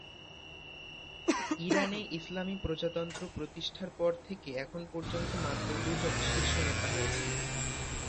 ইরানে ইসলামি প্রজাতন্ত্র প্রতিষ্ঠার পর থেকে এখন পর্যন্ত মাত্র দুজন শীর্ষ নেতা হয়েছেন।